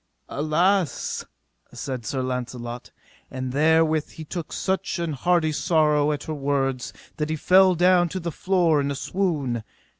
Alas, said Sir Launcelot; and therewith he took such an heartly sorrow at her words that he fell down to the floor in a swoon.